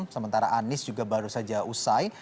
sementara anies juga baru saja usai